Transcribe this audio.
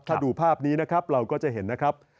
ถ้าดูภาพนี้นะครับเราก็จะเห็นนะครับ